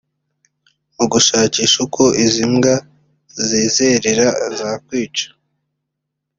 Mu gushakisha uko izi mbwa zizerera zakwicwa